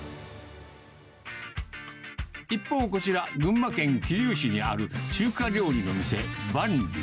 一方、こちら、群馬県桐生市にある中華料理の店、万里。